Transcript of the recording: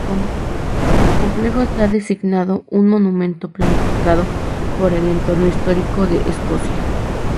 El complejo está designado un Monumento planificado por el Entorno Histórico de Escocia.